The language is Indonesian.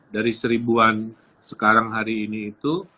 dari seribuan sekarang hari ini itu